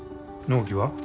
納期は？